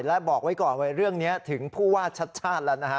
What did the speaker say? และบอกไว้ก่อนว่าเรื่องนี้ถึงผู้ว่าชัดชาติแล้วนะฮะ